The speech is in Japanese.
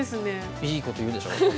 いいこと言うでしょ？